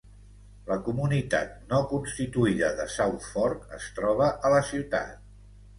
La comunitat no constituïda de South Fork es troba a la ciutat.